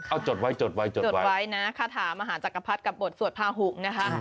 เอาจดไว้จดไว้จดจดไว้นะคาถามหาจักรพรรดิกับบทสวดพาหุงนะคะ